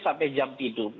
sampai jam tidur